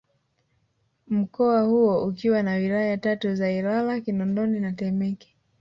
Mkoa huo ukiwa na Wilaya tatu za Ilala Kinondoni na Temeke